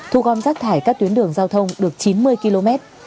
thu gom rác thải các tuyến đường giao thông được chín mươi km